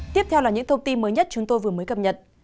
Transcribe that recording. tiếp theo là những thông tin mới nhất chúng tôi vừa mới cập nhật